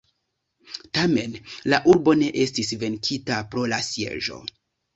Tamen la urbo ne estis venkita pro la sieĝo.